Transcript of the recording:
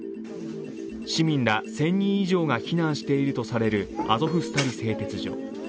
市民ら１０００人以上が避難しているとされるアゾフスタリ製鉄所。